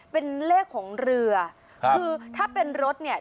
เป็นเลขของเรือคือถ้าเป็นรถเนี่ย